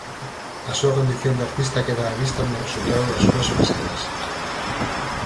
A súa condición de artista queda á vista no resultado das súas máscaras.